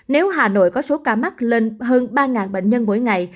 nếu hà nội có số ca mắc lên hơn ba bệnh nhân mỗi ngày